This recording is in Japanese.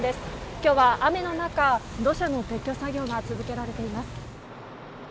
今日は雨の中土砂の撤去作業が続けられています。